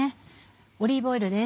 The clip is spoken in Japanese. オリーブオイルです。